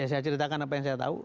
saya ceritakan apa yang saya tahu